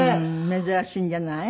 珍しいんじゃない？